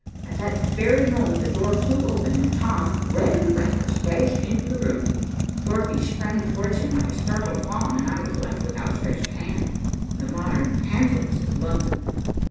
At that very moment the door flew open and Tom, red and breathless, dashed into the room. Dorothy sprang towards him like a startled fawn, and I was left with outstretched hand, the modern Tantalus of London.